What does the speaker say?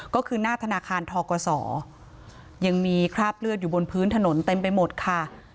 ก็คือหน้าธนาคารทกศยังมีคราบเลือดอยู่บนพื้นถนนเต็มไปหมดค่ะ